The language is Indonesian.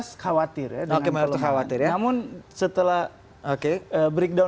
social media barrier ketavipan ini melalui bukti itu atau lebih cuma bmw jokes lebar